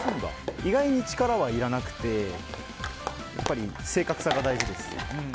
意外に力はいらなくて正確さが大事です。